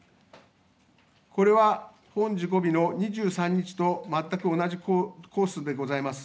これは本事故日の２３日と全く同じコースでございます。